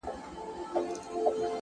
په څو ځلي مي ستا د مخ غبار مات کړی دی!!